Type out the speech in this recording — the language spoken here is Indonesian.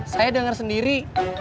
saya denger sendiri